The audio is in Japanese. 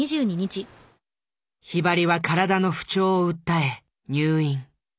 ひばりは体の不調を訴え入院。